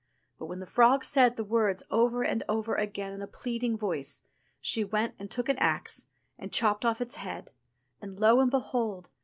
But when the frog said the words over and over again in a pleading voice, she went and took an axe and chopped off its head, and lo, and behold